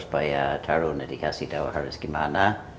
sebaiknya taruh nanti kasih tahu harus gimana